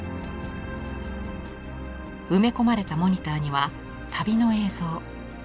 埋め込まれたモニターには旅の映像。